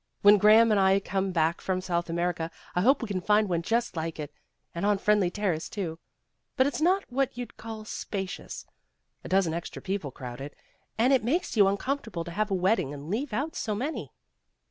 When Graham and I come back from South America, I hope we can find one just like it and on Friendly Terrace, too. But it's not what you'd call spacious. A dozen extra people crowd it, and it makes you uncomfort able to have a wedding and leave out so many.